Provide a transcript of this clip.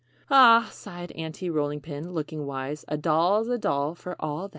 "] "Ah," sighed Aunty Rolling Pin, looking wise, "a doll's a doll, for all that."